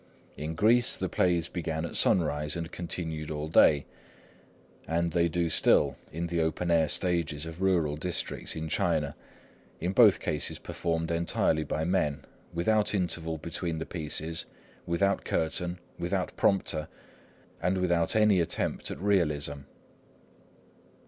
In Greece the plays began at sunrise and continued all day, as they do still on the open air stages of rural districts in China, in both cases performed entirely by men, without interval between the pieces, without curtain, without prompter, and without any attempt at realism.